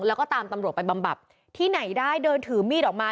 แล้วก็ตามตำรวจไปบำบัดที่ไหนได้เดินถือมีดออกมา